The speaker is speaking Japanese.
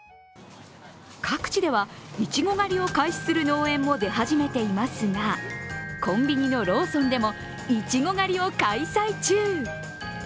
各地ではいちご狩りを開始する農園も出始めていますがコンビニのローソンでもいちご狩りを開催中。